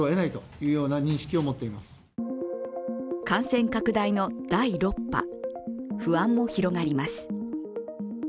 感染拡大の第６波、不安も広がります。